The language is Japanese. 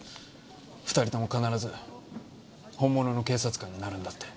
２人とも必ず本物の警察官になるんだって。